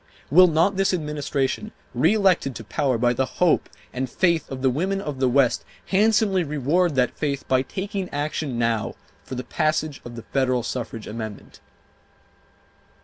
Will not this Administration, reelected to power by the hope and faith of the women of the West, handsomely reward that faith by taking action now for the passage of the federal suffrage amendment?